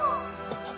あっ。